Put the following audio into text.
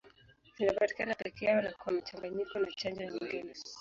Zinapatikana peke yao na kwa mchanganyiko na chanjo nyingine.